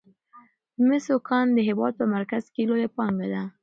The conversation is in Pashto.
د مسو کان د هیواد په مرکز کې لویه پانګه ده.